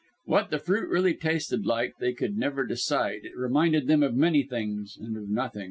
What the fruit really tasted like they could never decide. It reminded them of many things and of nothing.